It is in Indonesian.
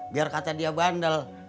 biar kata dia bandel